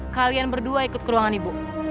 kalian berdua ikut ke ruangan ibu